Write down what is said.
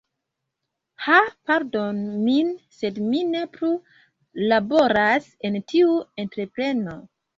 Ha pardonu min, sed mi ne plu laboras en tiu entrepreno.